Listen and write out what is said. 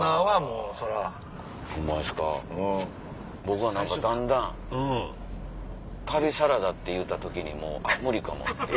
僕は何かだんだん『旅サラダ』って言うた時にもうあっ無理かもって。